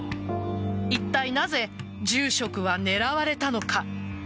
いったいなぜ住職は狙われたのか。